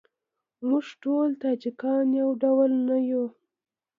موږ ټول تاجیکان یو ډول نه یوو.